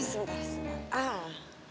ah sebentar sebentar